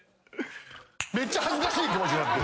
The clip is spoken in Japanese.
めっちゃ恥ずかしい気持ちになって。